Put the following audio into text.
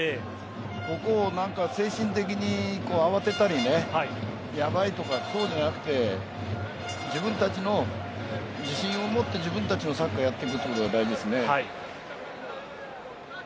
ここを精神的に慌てたりやばいとか、そうじゃなくて自分たちの自信を持って自分たちのサッカーをやっていくことが大事です。